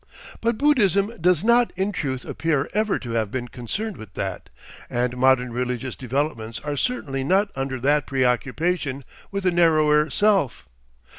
But Buddhism does not in truth appear ever to have been concerned with that, and modern religious developments are certainly not under that preoccupation with the narrower self.